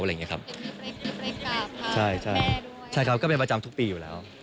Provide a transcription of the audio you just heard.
คือไปกับคุณแม่ด้วยนะครับใช่ครับก็เป็นประจำทุกปีอยู่แล้ว